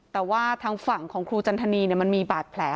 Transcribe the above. แต่ว่าทางฝั่งของครูจันทนีมันมีบาดแผล